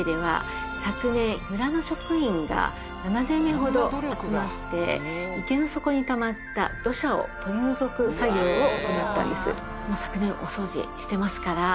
村の職員が７０名ほど集まって池の底にたまった土砂を取り除く作業を行ったんです。